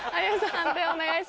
判定お願いします。